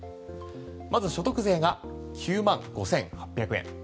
まず所得税が９万５８００円。